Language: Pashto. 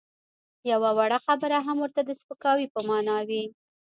یوه وړه خبره هم ورته د سپکاوي په مانا وي.